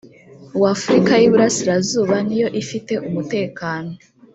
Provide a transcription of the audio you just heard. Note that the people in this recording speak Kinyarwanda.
wafurika y’ iburasirazuba niyo ifite umutekano